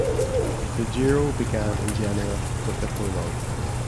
The Giro began in Genoa with a prologue.